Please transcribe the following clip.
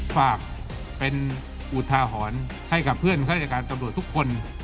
ฝากเป็นอุทาหรณ์ให้กับเพื่อนข้าราชการตำรวจทุกคน